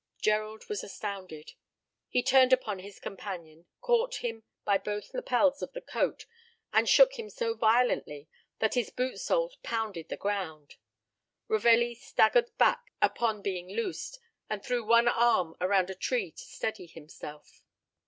Gerald was astounded. He turned upon his companion, caught him by both lapels of the coat, and shook him so violently that his boot soles pounded the ground. Ravelli staggered back upon being loosed, and threw one arm around a tree to steady himself.